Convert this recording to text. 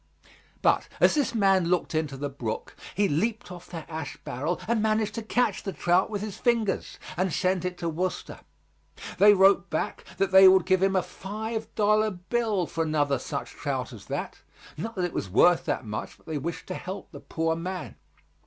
But as this man looked into the brook, he leaped off that ash barrel and managed to catch the trout with his fingers, and sent it to Worcester. They wrote back that they would give him a five dollar bill for another such trout as that, not that it was worth that much, but they wished to help the poor man.